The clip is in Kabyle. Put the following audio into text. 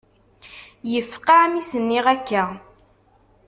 Yefqeε mi s-nniɣ akka.